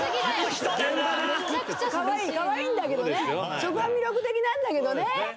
そこが魅力的なんだけどね。